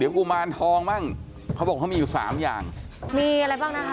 พ่อปูพูดนะเชื่ออะไรครับ